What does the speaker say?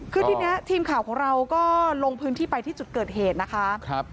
คือทีนี้ทีมข่าวของเราก็ลงพื้นที่ไปที่จุดเกิดเหตุนะคะ